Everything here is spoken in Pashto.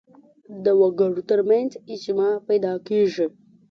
د وګړو تر منځ اجماع پیدا کېږي